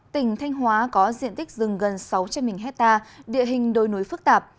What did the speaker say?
tỉnh thanh hóa có diện tích rừng gần sáu trăm linh m hai địa hình đôi núi phức tạp